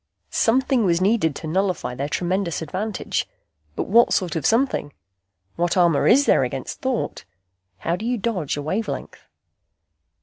Something was needed to nullify their tremendous advantage. But what sort of something? What armor is there against thought? How do you dodge a wavelength?